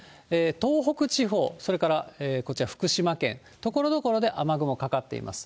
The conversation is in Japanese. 東北地方、それからこちら、福島県、ところどころで雨雲かかっています。